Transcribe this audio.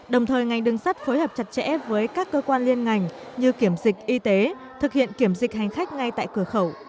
đồng thời ngành đường sắt phối hợp chặt chẽ với các cơ quan liên ngành như kiểm dịch y tế thực hiện kiểm dịch hành khách ngay tại cửa khẩu